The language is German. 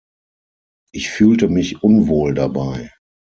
Ich fühlte mich unwohl dabei.